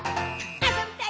あそびたい！